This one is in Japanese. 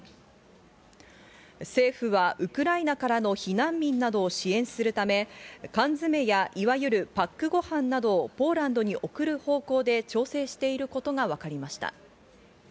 政府はウクライナからの避難民などを支援するため、缶詰やいわゆるパックごはんなどをポーランドに送る方向で調整していることがわかりました。